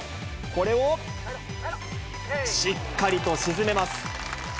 これをしっかりと沈めます。